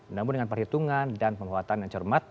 namun dengan perhitungan dan penguatan yang cermat